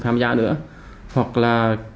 tham gia nữa hoặc là